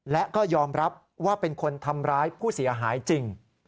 และก็ยอมรับว่าเป็นคนทำร้ายผู้เสียหายจริง